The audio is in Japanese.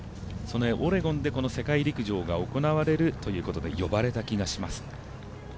そのオレゴンでこの世界陸上が行われるということで呼ばれた気がします。